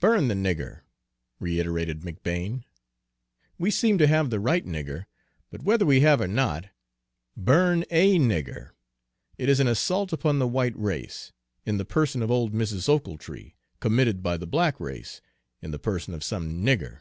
"Burn the nigger," reiterated McBane. "We seem to have the right nigger, but whether we have or not, burn a nigger. It is an assault upon the white race, in the person of old Mrs. Ochiltree, committed by the black race, in the person of some nigger.